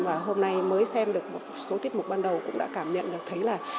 và hôm nay mới xem được một số tiết mục ban đầu cũng đã cảm nhận được thấy là